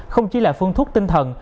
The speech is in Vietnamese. không chỉ là phương thuốc tinh thần